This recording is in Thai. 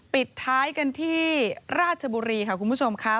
ปิดท้ายกันที่ราชบุรีค่ะคุณผู้ชมค่ะ